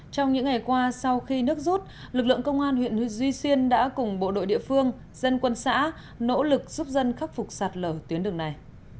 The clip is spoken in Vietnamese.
trong những ngày qua sau khi nước rút lực lượng công an huyện duy xuyên đã cùng bộ đội địa phương dân quân xã nỗ lực giúp dân khắc phục sạt lở tuyến đường này